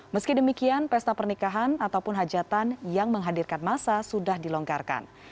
meski demikian pesta pernikahan ataupun hajatan yang menghadirkan masa sudah dilonggarkan